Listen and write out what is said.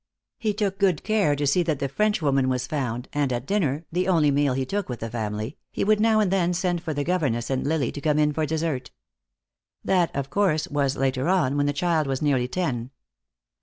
He took good care to see that the Frenchwoman was found, and at dinner, the only meal he took with the family, he would now and then send for the governess and Lily to come in for dessert. That, of course, was later on, when the child was nearly ten.